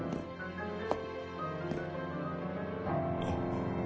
あっ。